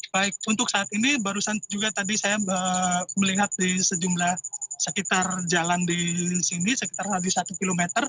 baik untuk saat ini barusan juga tadi saya melihat di sejumlah sekitar jalan di sini sekitar tadi satu km